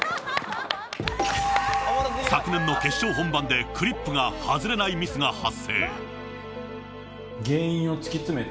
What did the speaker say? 昨年の決勝本番でクリップが外れないミスが発生。